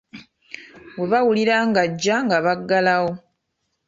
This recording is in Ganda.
Bwe baawulira nga ajja nga bagalawo.